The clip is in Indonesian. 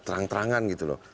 terang terangan gitu loh